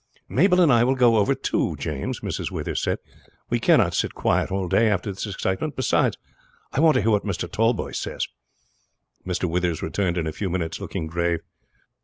"Mabel and I will go over too, James," Mrs. Withers said; "we cannot sit quiet all day after this excitement. Beside, I want to hear what Mr. Tallboys says." Mr. Withers returned in a few minutes, looking grave.